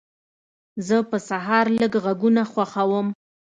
زه په سهار لږ غږونه خوښوم.